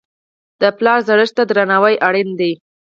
د پلار زړښت ته درناوی اړین دی.